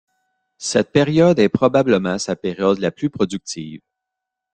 Cette période est probablement sa période la plus productive.